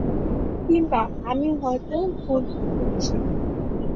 কিম্বা আমি হয়তো ভুল বুঝছি।